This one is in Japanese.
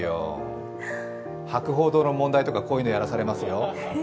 博報堂の問題とか、こういうのやらされますよ。